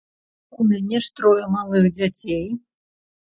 У мяне ж трое малых дзяцей.